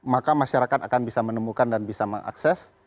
maka masyarakat akan bisa menemukan dan bisa mengakses